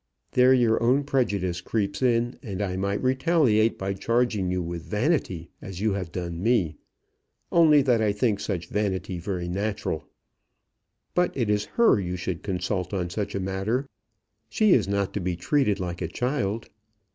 "There your own prejudice creeps in, and I might retaliate by charging you with vanity as you have done me, only that I think such vanity very natural. But it is her you should consult on such a matter. She is not to be treated like a child.